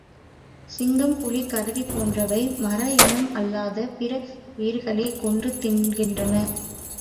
சிங்கம் புலி கரடி போன்றவை, மர இனம் அல்லாத பிற உயிரிகளைக் கொன்று தின்கின்றன.